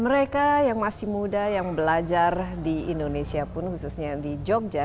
mereka yang masih muda yang belajar di indonesia pun khususnya di jogja